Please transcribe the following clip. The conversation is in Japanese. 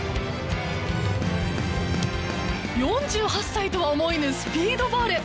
４８歳とは思えぬスピードボール！